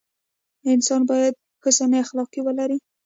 انسان باید حسن اخلاق ولري.